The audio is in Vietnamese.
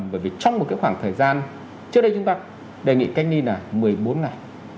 bởi vì trong một khoảng thời gian trước đây chúng ta đề nghị cách ly là một mươi bốn ngày